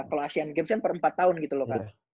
kalau asean games kan per empat tahun gitu loh kak